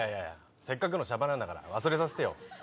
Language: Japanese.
せっかくのシャバなんだから忘れさせてよ。